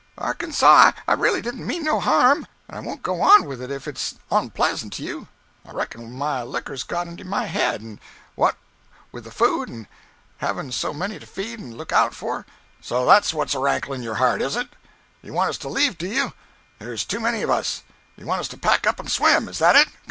"Arkansas, I reely didn't mean no harm, and I won't go on with it if it's onpleasant to you. I reckon my licker's got into my head, and what with the flood, and havin' so many to feed and look out for—" "So that's what's a ranklin' in your heart, is it? You want us to leave do you? There's too many on us. You want us to pack up and swim. Is that it?